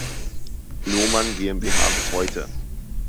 Lohmann GmbH bis heute.